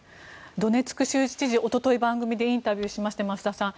ドネツク州知事一昨日、番組でインタビューしまして増田さん